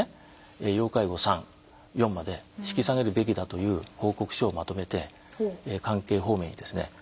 要介護３４まで引き下げるべきだという報告書をまとめて関係方面にですね